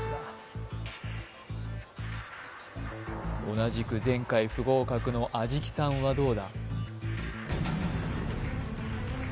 同じく前回不合格の安食さんはどうだ？